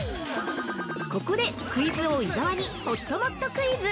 ◆ここでクイズ王・伊沢に、ほっともっとクイズ！